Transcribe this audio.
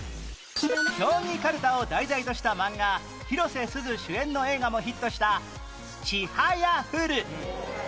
競技かるたを題材としたマンガ広瀬すず主演の映画もヒットした『ちはやふる』